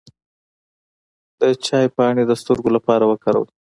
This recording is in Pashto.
د چای پاڼې د سترګو لپاره وکاروئ